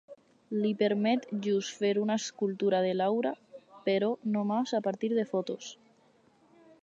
Li permet just fer una escultura de Laura, però només a partir de fotos.